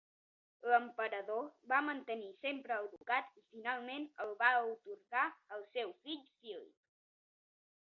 L'emperador va mantenir sempre el ducat i finalment el va atorgar al seu fill Philip.